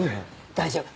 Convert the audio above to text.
大丈夫。